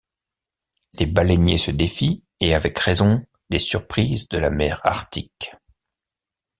Les baleiniers se défient, et avec raison, des surprises de la mer Arctique.